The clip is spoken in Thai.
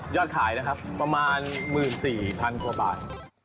ยอดขายนะครับประมาณ๑๔๐๐๐บาท